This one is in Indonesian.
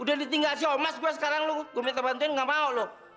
udah ditinggalkan sio mas gue sekarang gue minta bantuin nggak mau lo